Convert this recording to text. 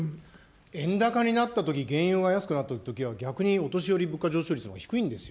円高になったとき、原油が安くなったときは、逆にお年寄り物価上昇率は低いんですよ。